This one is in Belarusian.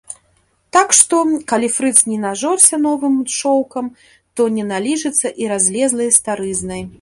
Так што, калі фрыц не нажорся новым шоўкам, то не наліжацца і разлезлай старызнай.